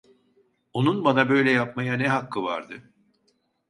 Onun bana böyle yapmaya ne hakkı vardı?